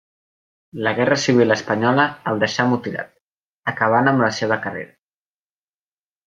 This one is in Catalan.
La Guerra Civil Espanyola el deixà mutilat, acabant amb la seva carrera.